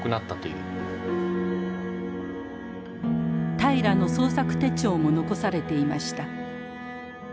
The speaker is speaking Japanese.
平良の創作手帳も残されていました。